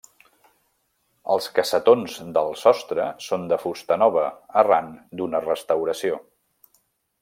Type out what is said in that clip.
Els cassetons del sostre són de fusta nova arran d'una restauració.